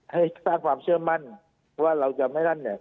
ให้สร้างความเชื่อมมั่นเพราะว่าเราจะไม่ได้